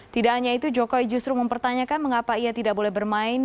tidak hanya itu jokowi justru mempertanyakan mengapa ia tidak boleh bermain